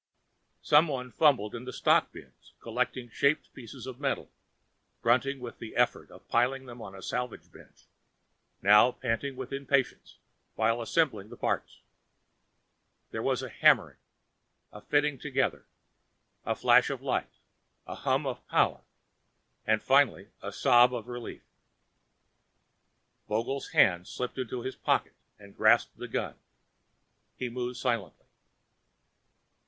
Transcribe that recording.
Someone fumbled in the stock bins, collecting shaped pieces of metal, grunting with the effort of piling them on the salvage bench, now panting with impatience while assembling the parts. There was a hammering, a fitting together, a flash of light, a humming of power and finally a sob of relief. Vogel's hand slipped into his coat pocket and grasped the gun. He moved silently.